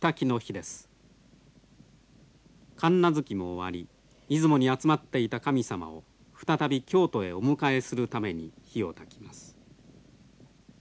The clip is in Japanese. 神無月も終わり出雲に集まっていた神様を再び京都へお迎えするために火をたきます。